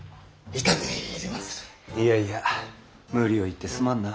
いやいや無理を言ってすまんな。